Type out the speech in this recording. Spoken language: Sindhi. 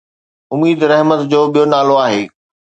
اميد رحمت جو ٻيو نالو آهي